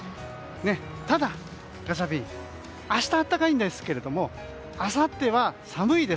ただ、ガチャピン明日暖かいんですけどあさっては寒いです。